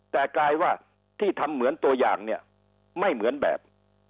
แต่กลายว่าที่ทำเหมือนตัวอย่างเนี่ยไม่เหมือนแบบ